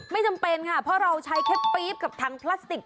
ไม่จำเป็นค่ะเพราะเราใช้แค่ปี๊บกับถังพลาสติก